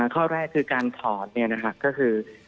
ข้อแรกคือการถอนเนี่ยนะครับก็คือ